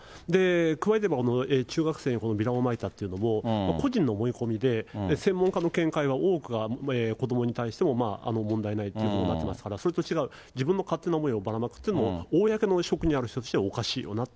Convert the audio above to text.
加えて中学生にビラをまいたというのも、個人の思い込みで、専門家の見解は多くは子どもに対しても問題ないということになってますから、それと違う、自分の勝手な思いをばらまくというのも、公の職にある人としておかしいよなと。